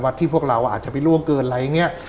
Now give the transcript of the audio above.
ที่พวกเราอาจจะไปล่วงเกินอะไรอย่างนี้